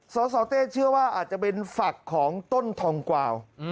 สสเต้เชื่อว่าอาจจะเป็นฝักของต้นทองกวาว